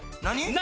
何？